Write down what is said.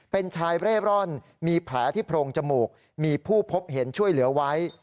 เป็นชายเร่ร่อนมีแผลที่โพรงจมูกมีผู้พบเห็นช่วยเหลือไว้